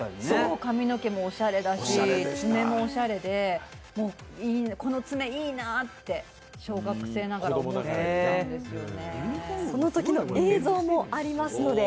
髪の毛もおしゃれだし、爪もおしゃれで、この爪、いいなって、小学生ながら思っていたんですよね。